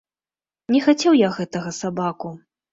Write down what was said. Не хацеў я гэтага сабаку.